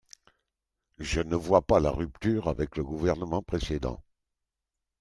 Je ne vois pas la rupture avec le gouvernement précédent.